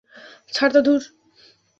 ছাড় তো, ধুর।